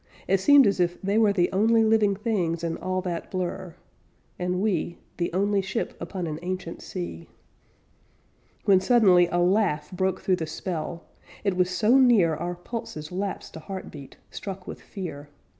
It seemed as if they were The only living things in all that blur, And we The only ship upon an ancient sea. When suddenly a laugh broke through the spell; It was so near Our pulses lapsed a heart beat, Struck with fear.